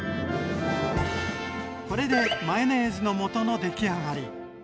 これでマヨネーズのもとのできあがり。